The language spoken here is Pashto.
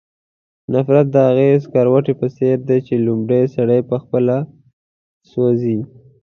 نفرت د هغې سکروټې په څېر دی چې لومړی سړی پخپله سوځوي.